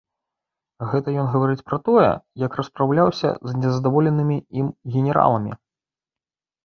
Гэта ён гаворыць пра тое, як распраўляўся з нездаволенымі ім генераламі.